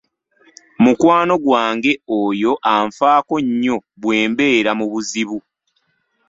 Mukwano gwange oyo anfaako nnyo bwe mbeera mu buzibu.